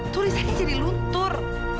tulisannya jadi luntur